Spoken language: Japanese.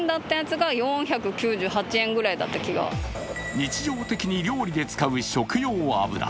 日常的に料理で使う食用油。